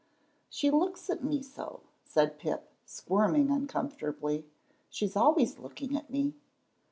"She looks at me so," said Pip, squirming uncomfortably; "she's always looking at me."